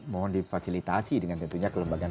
mohon difasilitasi dengan tentunya kelembagaan